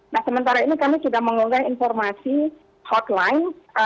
nah sementara ini kami sudah mengunggah informasi hotline